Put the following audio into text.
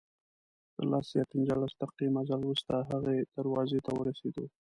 تر لس یا پنځلس دقیقې مزل وروسته هغې دروازې ته ورسېدو.